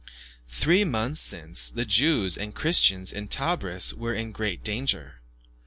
Three months since, the Jews and Christians in Tebris were in great danger.